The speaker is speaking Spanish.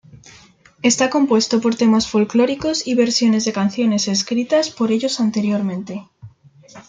Está compuesto por temas folclóricos y versiones de canciones escritas por ellos anteriormente.